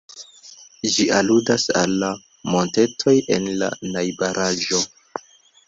Ĝi aludas al la montetoj en la najbaraĵo.